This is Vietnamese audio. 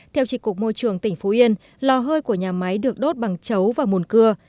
theo trị cục môi trường tỉnh phú yên lò hơi của nhà máy được đốt bằng chấu và mùn cưa